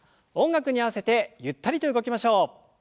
音楽に合わせてゆったりと動きましょう。